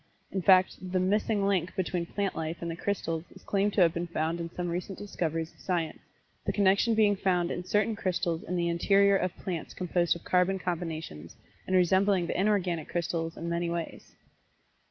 In fact, the "missing link" between plant life and the crystals is claimed to have been found in some recent discoveries of Science, the connection being found in certain crystals in the interior of plants composed of carbon combinations, and resembling the inorganic crystals in many ways.